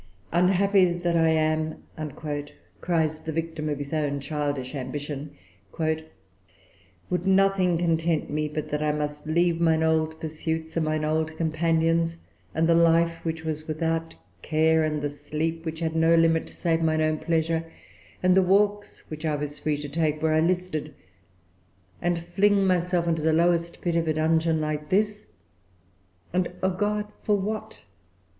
"Unhappy that I am," cries the victim of his own childish ambition; "would nothing content me but that I must leave mine old pursuits and mine old companions, and the life which was without care, and the sleep which had no limit save mine own pleasure, and the walks which[Pg 364] I was free to take where I listed, and fling myself into the lowest pit of a dungeon like this? And, O God! for what?